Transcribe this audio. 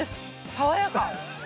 爽やか。